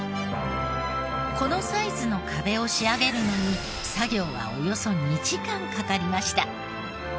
このサイズの壁を仕上げるのに作業はおよそ２時間かかりました。